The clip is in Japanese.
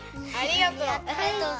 ありがとう。